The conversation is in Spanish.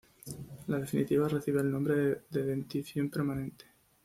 La definitiva recibe el nombre de dentición permanente.